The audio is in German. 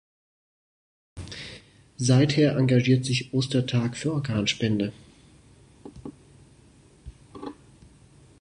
Seither engagiert sich Ostertag für Organspende.